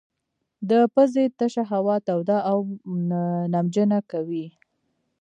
د پزې تشه هوا توده او نمجنه کوي.